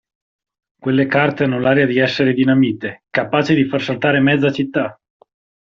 Quelle carte hanno l'aria di essere dinamite, capace di far saltare mezza città!